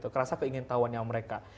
kerasa keingintahuan yang mereka